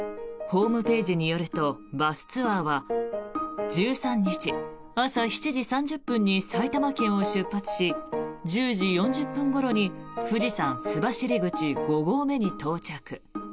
ホームページによるとバスツアーは１３日朝７時３０分に埼玉県を出発し１０時４０分ごろに富士山須走口五合目に到着。